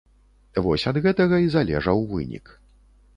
Вось ад гэтага і залежаў вынік.